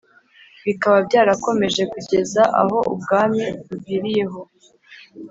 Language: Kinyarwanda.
bikaba byarakomeje kugeza aho Ubwami buviriyeho